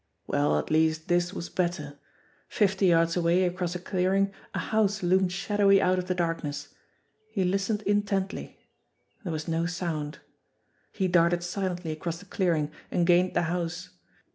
Well, at least, this was better ! Fifty yards away across a clearing a house loomed shadowy out of the darkness. He listened intently. There was no sound. He darted silently across the clearing and gained the house.